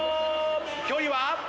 距離は？